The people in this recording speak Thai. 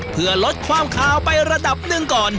เพื่อลดความคาวไประดับหนึ่งก่อน